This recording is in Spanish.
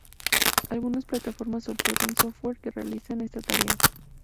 Algunas plataformas soportan software que realizan esta tarea.